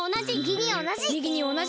みぎにおなじ！